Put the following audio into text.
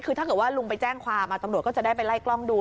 คือถ้าเกิดว่าลุงไปแจ้งความตำรวจก็จะได้ไปไล่กล้องดู